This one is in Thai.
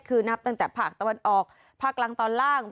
คือนับตั้งแต่ภาคตะวันออกภาคกลางตอนล่าง